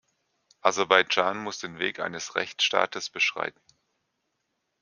Aserbaidschan muss den Weg eines Rechtsstaates beschreiten.